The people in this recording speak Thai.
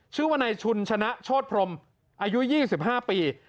ชื่อว่านายชุนชนะโชธพรมอายุ๒๕ปี